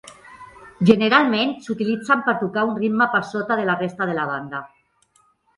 Generalment s'utilitzen per tocar un ritme per sota de la resta de la banda.